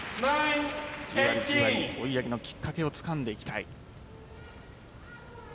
じわりじわり、追い上げのきっかけをつかんでいきたい。